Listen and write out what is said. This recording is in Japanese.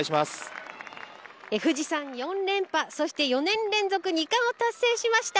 富士山４連覇そして４年連続２冠を達成しました。